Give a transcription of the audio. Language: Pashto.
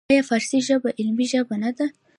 آیا فارسي ژبه علمي شوې نه ده؟